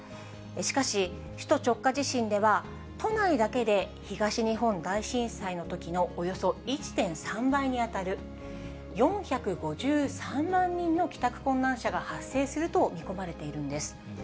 しかし首都直下地震では、都内だけで東日本大震災のときのおよそ１．３倍に当たる４５３万人の帰宅困難者が発生すると見込まれているんです。